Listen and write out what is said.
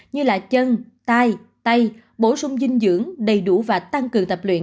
như là chân tay bổ sung dinh dưỡng đầy đủ và tăng cường tập luyện